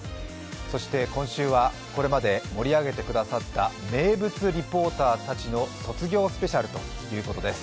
そして今週はこれまで盛り上げてくださった名物リポーターたちの卒業スペシャルということです。